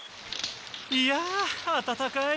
いや温かい。